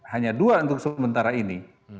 hanya dua untuk sementara ini